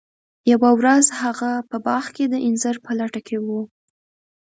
یوه ورځ هغه په باغ کې د انځر په لټه کې و.